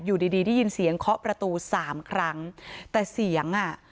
อยู่ดีดีได้ยินเสียงเคาะประตูสามครั้งแต่เสียงอ่ะ